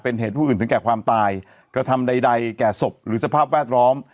เป็นเหตุผู้อื่นถึงแก่ความตายกระทำใดแก่ศพหรือสภาพแวดล้อม